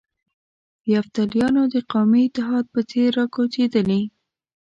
د یفتلیانو د قومي اتحاد په څېر را کوچېدلي.